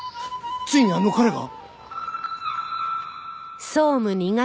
ついにあの彼が？